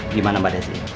gimana mbak desi